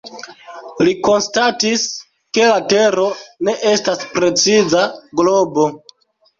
Li konstatis, ke la Tero ne estas preciza globo.